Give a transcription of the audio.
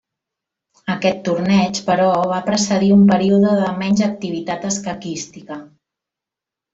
Aquest torneig però va precedir un període de menys activitat escaquística.